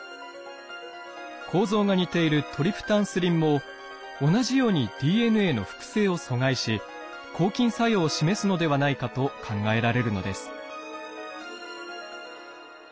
構造が似ているトリプタンスリンも同じようにＤＮＡの複製を阻害し抗菌作用を示すのではないかと考えられるのです。